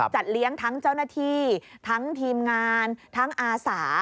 จัดเลี้ยงทั้งเจ้าหน้าที่ทั้งทีมงานทั้งอาสา